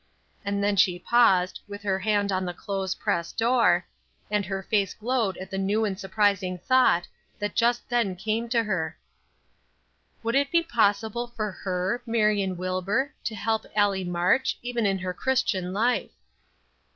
And then she paused, with her hand on the clothes press door, and her face glowed at the new and surprising thought that just then came to her. "Would it not be possible for her, Marion Wilbur, to help Allie March, even in her Christian life!"